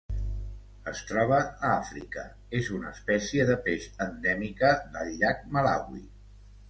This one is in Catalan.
Es troba a Àfrica: és una espècie de peix endèmica del Llac Malawi.